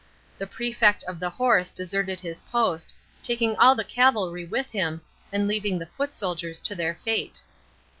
The prefect of the horse deserted his post, taking all the cavalry with him, and leaving the foot soldiers to their fate.